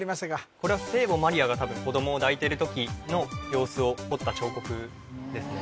これは聖母マリアが子供を抱いてる時の様子を彫った彫刻ですね